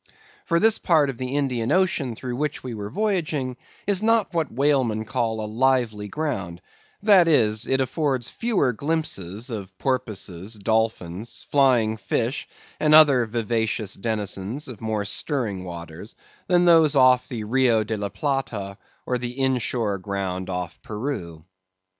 For this part of the Indian Ocean through which we then were voyaging is not what whalemen call a lively ground; that is, it affords fewer glimpses of porpoises, dolphins, flying fish, and other vivacious denizens of more stirring waters, than those off the Rio de la Plata, or the in shore ground off Peru.